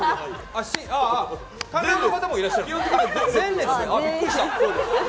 ああ、他人の方もいらっしゃる。